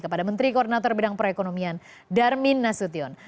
kepada menteri koordinator bidang perekonomian darmin nasution